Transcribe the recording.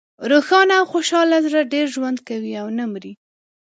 روښانه او خوشحاله زړه ډېر ژوند کوي او نه مری.